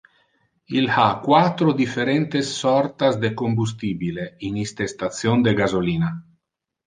Il ha quatro differente sortas de combustibile in iste station de gasolina.